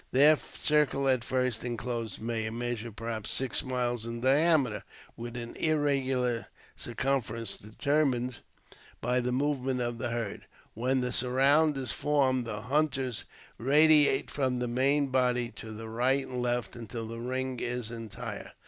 Their circle at first inclosed may measure perhaps six miles in diameter with an irregular circumference determined by the movements of the herd. When " the surround " is formed, the hunters radiate from the main body to the right and left until the ring is entire.